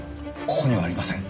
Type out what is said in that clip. ここにはありません。